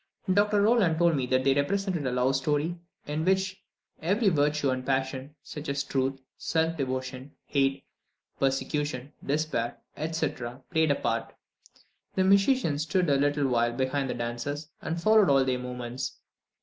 Dr. Rolland told me that they represented a love story, in which every virtue and passion, such as truth, self devotion, hate, persecution, despair, etc., played a part. The musicians stood a little behind the dancers, and followed all their movements.